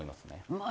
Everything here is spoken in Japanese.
まあ